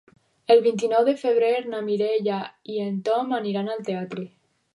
El vint-i-nou de febrer na Mireia i en Tom aniran al teatre.